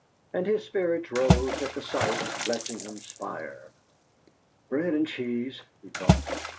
And his spirits rose at the sight of Bletchingham spire. '.read and cheese,' he thought.